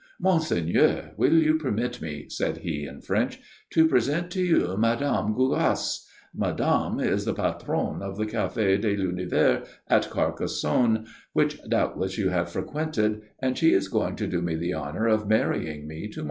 "Monseigneur, will you permit me," said he, in French, "to present to you Mme. Gougasse? Madame is the patronne of the Café de l'Univers, at Carcassonne, which doubtless you have frequented, and she is going to do me the honour of marrying me to morrow."